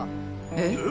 えっ！？